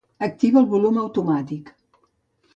Activa el volum automàtic.